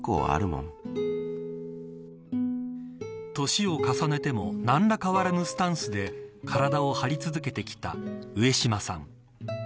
年を重ねても何ら変わらぬスタンスで体を張り続けてきた上島さん。